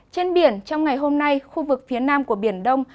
trên biển trong ngày hôm nay khu vực phía nam của biển đông